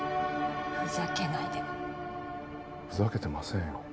ふざけないでふざけてませんよ